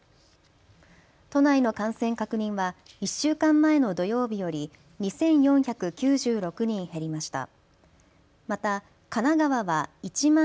都内の感染確認は１週間前の土曜日より２４９６人減りました。